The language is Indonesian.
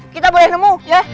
kita boleh nemu ya